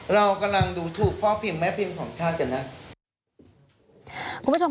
เรากำลังดูถูกเพราะพิมพ์แม้พิมพ์ของชาติกันนะ